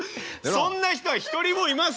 そんな人は一人もいません。